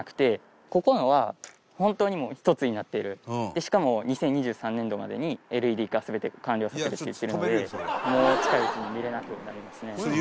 しかも２０２３年度までにＬＥＤ化全て完了させるって言ってるのでもう近いうちに見れなくなりますね。